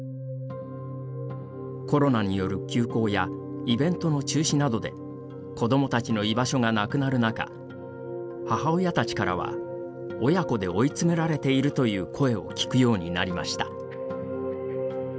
コロナによる休校やイベントの中止などで子どもたちの居場所がなくなる中母親たちからは親子で追い詰められているという声を聞くようになりました。